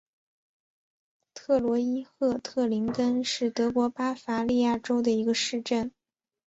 特罗伊赫特林根是德国巴伐利亚州的一个市镇。